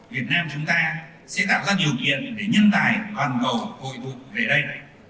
việt nam chúng ta sẽ tạo ra điều kiện để nhân tài toàn cầu hội tụ về đây